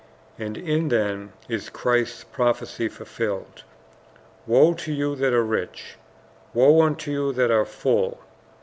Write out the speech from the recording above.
And in them is Christ's prophecy fulfilled: "Woe to you that are rich! woe unto you that are full!